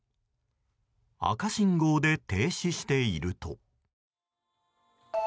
赤信号で停止していると。